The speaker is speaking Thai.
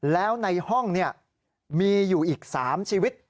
แล้วในห้องมีอยู่อีก๓ชีวิต